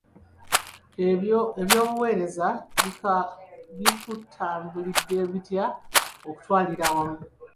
Eby'obuweereza bikutambulidde bitya okutwalira awamu?